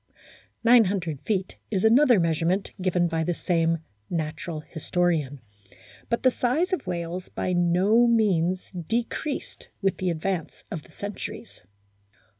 Nine hundred feet is another measure ment given by the same natural historian. But the size of whales by no means decreased with the ad vance of the centuries.